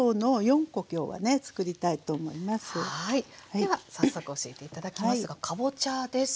では早速教えて頂きますがかぼちゃです。